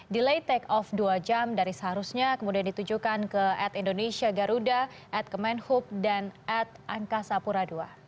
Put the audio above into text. delay take off dua jam dari seharusnya kemudian ditujukan ke at indonesia garuda at kemenhub dan at angkasa pura ii